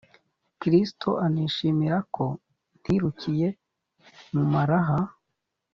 kristo anishimira ko ntirukiye mu maraha